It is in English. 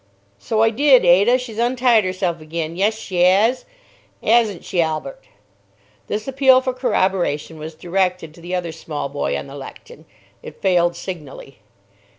"So I did, Ada. She's untied herself again. Yes, she 'as. 'Asn't she, Albert?" This appeal for corroboration was directed to the other small boy on the Lechton. It failed signally.